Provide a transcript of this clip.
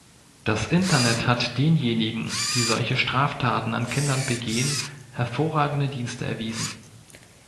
Das Internet hat denjenigen, die solche Straftaten an Kindern begehen, hervorragende Dienste erwiesen.